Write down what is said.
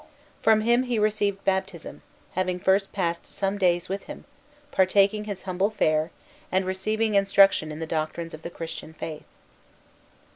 From him he received baptism, having first passed some days with him, partaking his humble fare, and receiving instruction in the doctrines of the Christian faith.